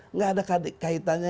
nggak ada kaitannya